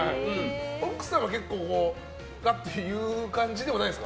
奥様が結構がっという感じではないですか？